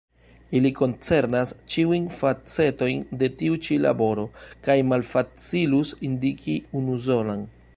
Ili koncernas ĉiujn facetojn de tiu ĉi laboro kaj malfacilus indiki unusolan.